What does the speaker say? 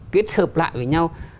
kết hợp lại với nhau